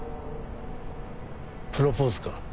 プロポーズか。